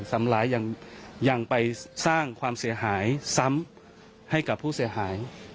ซ้ำร้ายยังไปสร้างความเสียหายซ้ำให้กับผู้เสียหาย